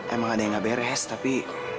emang ada yang gak beres tapi